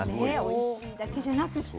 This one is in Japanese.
ねおいしいだけじゃなく。